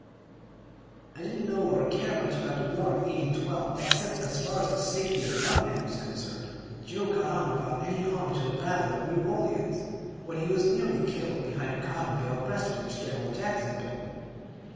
"I didn't know or care much about the War of 1812, except as far as the safety of one man was concerned. Joe got on without any harm till the battle of New Orleans, when he was nearly killed behind the cotton bale breastworks General Jackson built."